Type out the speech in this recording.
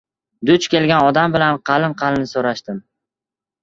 Duch kelgan odam bilan qalin-qalin so‘rashdim.